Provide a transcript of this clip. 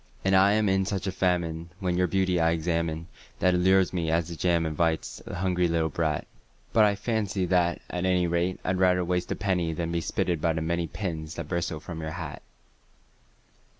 And I am in such a famine when your beauty I examine That it lures me as the jam invites a hungry little brat; But I fancy that, at any rate, I'd rather waste a penny Than be spitted by the many pins that bristle from your hat.